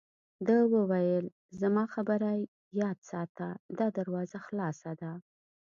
ده وویل: زما خبره یاد ساته، دا دروازه خلاصه ده.